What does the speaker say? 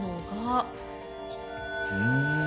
うん！